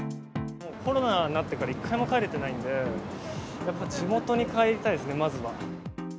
コロナになってから一回も帰れてないので、やっぱ地元に帰りたいですね、まずは。